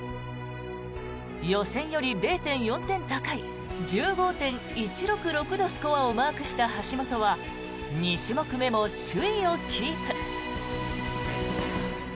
予選より０．４点高い１５．１６６のスコアをマークした橋本は２種目目も首位をキープ。